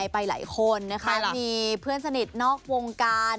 ไปหลายคนน่ะครับมีเพื่อนสนิทนอกวงกาลใครหรอ